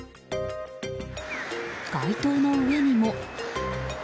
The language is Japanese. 街灯の上にも。